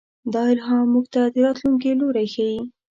دا الهام موږ ته د راتلونکي لوری ښيي.